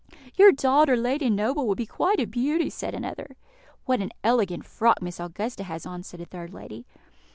"Your daughter, Lady Noble, will be quite a beauty," said another. "What an elegant frock Miss Augusta has on!" said a third lady.